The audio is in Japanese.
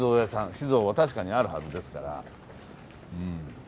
酒造は確かにあるはずですから。